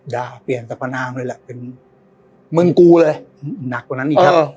ด่าเปลี่ยนสรรพนามเลยแหละเป็นมึงกูเลยหนักกว่านั้นอีกครับ